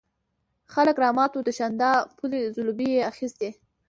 خلک رامات وو، د شانداپولي ځلوبۍ یې اخيستې.